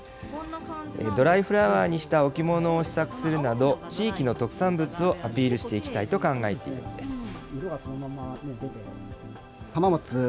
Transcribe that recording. ドライフラワーにした置物を試作するなど、地域の特産物をアピールしていきたいと考えているのです。